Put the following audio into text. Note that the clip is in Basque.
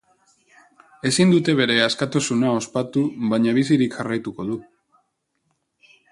Ezin dute bere askatasuna ospatu, baina bizirik jarraituko du.